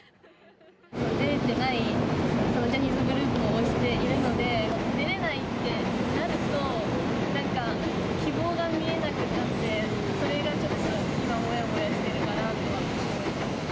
出れてないジャニーズグループを応援しているので、出れないってなると、なんか希望が見えなくなって、それが少し、今、もやもやしているかなと思います。